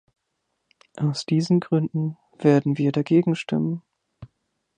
Aus diesen Gründen werden wir dagegen stimmen.